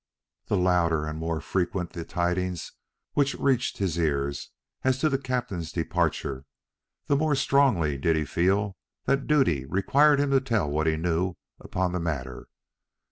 The louder and more frequent the tidings which reached his ears as to the captain's departure, the more strongly did he feel that duty required him to tell what he knew upon the matter.